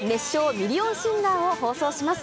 ミリオンシンガーを放送します。